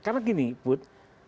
karena gini bud